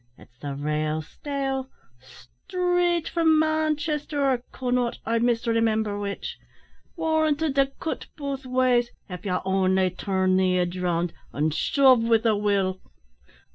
It's the rale steel, straight from Manchester or Connaught, I misremimber which. Warranted to cut both ways, av ye only turn the idge round, and shove with a will.'